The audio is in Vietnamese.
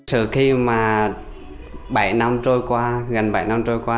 từ khi mà bảy năm trôi qua gần bảy năm trôi qua